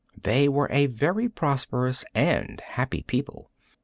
They were a very prosperous and happy people.